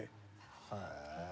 へえ！